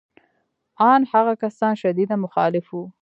ان هغه کسان شدیداً مخالف وو